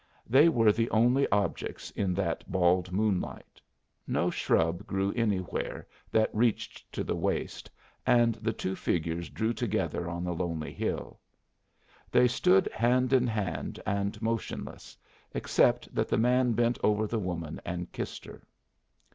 They were the only objects in that bald moonlight. No shrub grew anywhere that reached to the waist, and the two figures drew together on the lonely hill. They stood hand in hand and motionless, except that the man bent over the woman and kissed her.